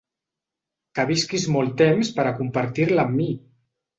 Que visquis molt temps per a compartir-la amb mi!